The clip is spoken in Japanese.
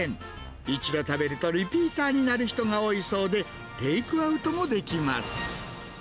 一度食べるとリピーターになる人が多いそうで、テイクアウトもできます。